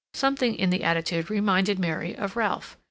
Something in the attitude reminded Mary of Ralph.